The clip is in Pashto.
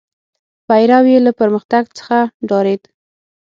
پیرو یې له پرمختګ څخه ډارېد.